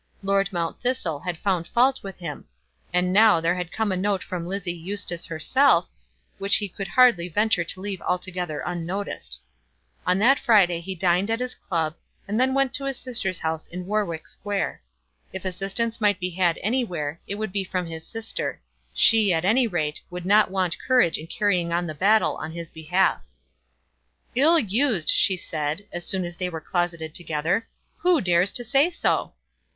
Lord Mount Thistle had found fault with him. And now there had come a note from Lizzie Eustace herself, which he could hardly venture to leave altogether unnoticed. On that Friday he dined at his club, and then went to his sister's house in Warwick Square. If assistance might be had anywhere, it would be from his sister; she, at any rate, would not want courage in carrying on the battle on his behalf. "Ill used!" she said, as soon as they were closeted together. "Who dares to say so?"